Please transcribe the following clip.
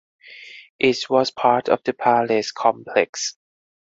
It was part of the palace complex.